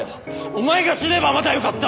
お前が死ねばまだよかったわ！